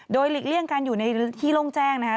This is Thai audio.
โดยหลีกเลี่ยงการอยู่ในที่โล่งแจ้งนะครับ